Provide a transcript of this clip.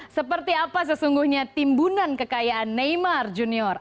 seperti apa sesungguhnya timbunan kekayaan neymar junior